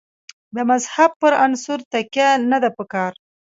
د مذهب پر عنصر تکیه نه ده په کار.